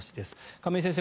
亀井先生